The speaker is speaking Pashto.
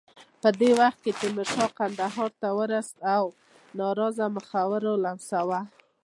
په دې وخت کې تیمورشاه کندهار ته ورسېد او ناراضه مخورو لمساوه.